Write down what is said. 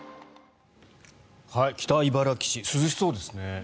北茨城市涼しそうですね。